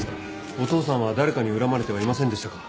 お父さんは誰かに恨まれてはいませんでしたか？